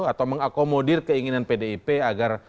atau mengakomodir keinginan pdip agar